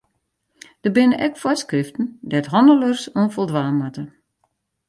Der binne ek foarskriften dêr't hannelers oan foldwaan moatte.